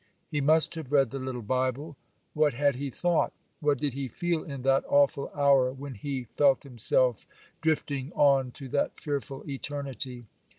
He must have read the little Bible! What had he thought? What did he feel in that awful hour when he felt himself drifting on to that fearful eternity?